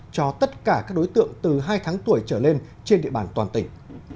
cho tất cả các đối tượng từ hai tháng tuổi trở lên trên địa bàn toàn tỉnh